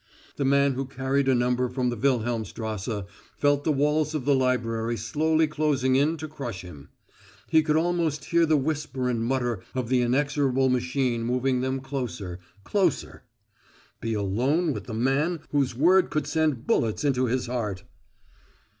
The man who carried a number from the Wilhelmstrasse felt the walls of the library slowly closing in to crush him; he could almost hear the whisper and mutter of the inexorable machine moving them closer closer. Be alone with the man whose word could send bullets into his heart!